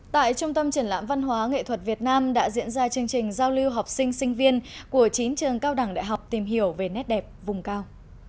tại trung tâm triển lãm văn hóa nghệ thuật việt nam đã diễn ra chương trình giao lưu học sinh sinh viên của chín trường cao đẳng đại học tìm hiểu về nét đẹp vùng cao